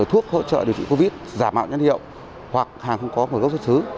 thuốc hỗ trợ điều trị covid giảm mạo nhân hiệu hoặc hàng không có một gốc xuất xứ